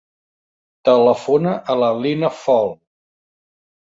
Telefona a la Lina Fall.